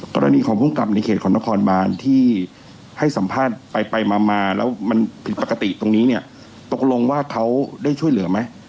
กรณีของภูมิกับในเขตของนครบานที่ให้สัมภาษณ์ไปไปมามาแล้วมันผิดปกติตรงนี้เนี่ยตกลงว่าเขาได้ช่วยเหลือไหม